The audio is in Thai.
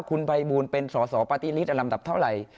คุณภัยบุญเป็นสสปฏิฤทธิ์อลำดับเท่าไหร่